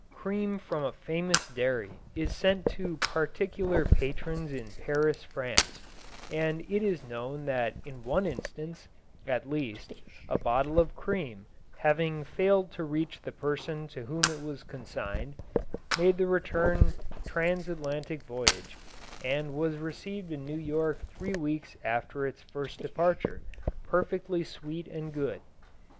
Cream from a famous dairy is sent to particular patrons in Paris, France, and it is known that in one instance, at least, a bottle of cream, having failed to reach the person to whom it was consigned, made the return transatlantic voyage and was received in New York three weeks after its first departure, perfectly sweet and good.